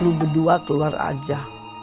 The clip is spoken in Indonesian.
lu berdua keluar aja